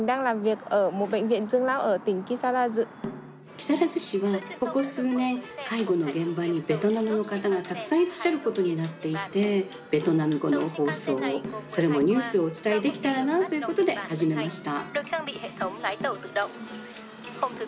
木更津市は、ここ数年介護の現場にベトナムの方が、たくさんいらっしゃることになっていてベトナム語の放送をそれもニュースをお伝えできたらなということで始めました。